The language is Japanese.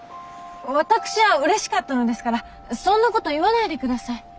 私はうれしかったのですからそんなこと言わないで下さい。